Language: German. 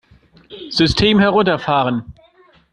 System herunterfahren!